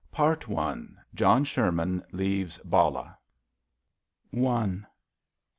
PART I. JOHN SHERMAN LEA VES BALLAH. I.